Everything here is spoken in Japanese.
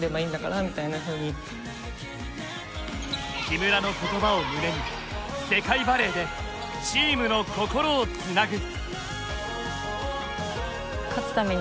木村の言葉を胸に世界バレーでチームの心をツナグ。